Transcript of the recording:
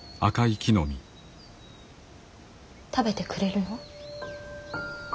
食べてくれるの？